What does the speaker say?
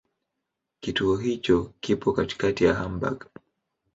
Kituo hicho kipo katikati ya Hamburg.